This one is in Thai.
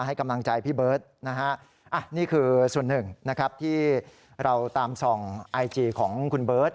ให้กำลังใจพี่เบิร์ตนะฮะนี่คือส่วนหนึ่งนะครับที่เราตามส่องไอจีของคุณเบิร์ต